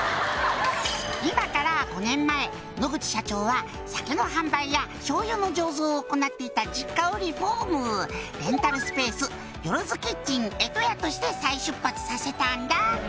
「今から５年前野口社長は酒の販売やしょうゆの醸造を行っていた実家をリフォーム」「レンタルスペース」「として再出発させたんだ」